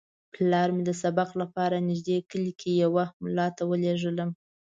پلار مې د سبق لپاره نږدې کلي کې یوه ملا ته ولېږلم.